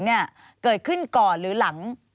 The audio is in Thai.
เกิดขึ้นก่อนหรือหลัง